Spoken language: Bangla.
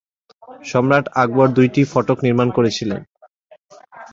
সম্রাট আকবর দুইটি ফটক নির্মাণ করেছিলেন।